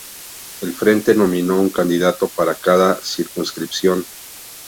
El Frente nominó un candidato para cada circunscripción.